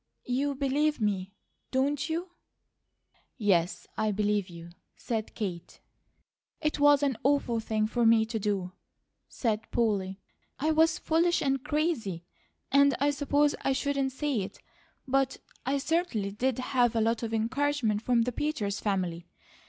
You believe me, don't you?" "Yes, I believe you," said Kate. "It was an awful thing for me to do," said Polly. "I was foolish and crazy, and I suppose I shouldn't say it, but I certainly did have a lot of encouragement from the Peters family.